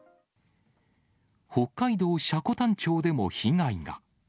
北海道積丹町でも被害が。